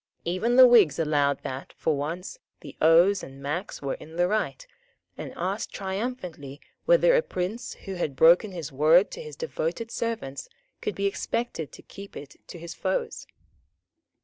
Even the Whigs allowed that, for once, the O's and Macs were in the right, and asked triumphantly whether a prince who had broken his word to his devoted servants could be expected to keep it to his foes?